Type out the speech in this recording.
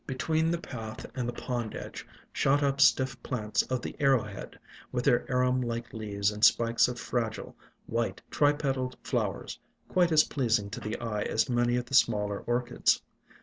Between the path and the pond edge shot up stiff plants of the Arrowhead, with their arum like leaves and spikes of fragile, white, tripetaled flow ers, quite as pleasing to the eye as many of the ALONG THE WATERWAYS smaller Orchids.